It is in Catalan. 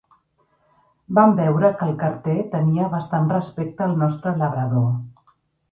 Vam veure que el carter tenia bastant respecte al nostre labrador.